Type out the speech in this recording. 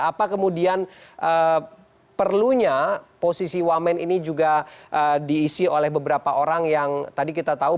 apa kemudian perlunya posisi wamen ini juga diisi oleh beberapa orang yang tadi kita tahu